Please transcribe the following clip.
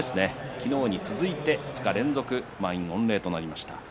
昨日に続いて２日連続満員御礼となりました。